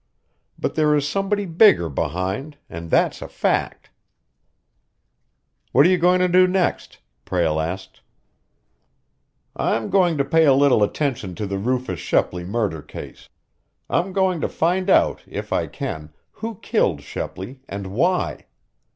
But there is somebody bigger behind, and that's a fact." "What are you going to do next?" Prale asked. "I'm going to pay a little attention to the Rufus Shepley murder case. I'm going to find out, if I can, who killed Shepley, and why.